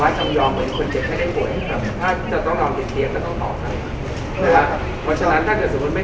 อาจจะมีความขัดย้ายของปัจจันทราภัณฑ์ได้หรือเปล่า